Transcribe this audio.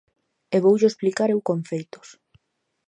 E voullo explicar eu con feitos.